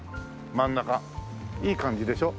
真ん中いい感じでしょ？